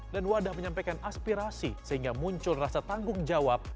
dan wadah menyampaikan aspirasi sehingga muncul rasa tanggung jawab